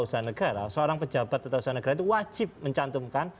usaha negara seorang pejabat atau usaha negara itu wajib mencantumkan